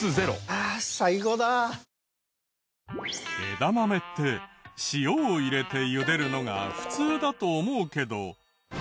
枝豆って塩を入れて茹でるのが普通だと思うけど。